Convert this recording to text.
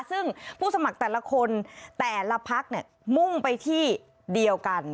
ซึ่งผู้สมัครแต่ละคนแต่ละพักมุ่งไปที่เดียวกัน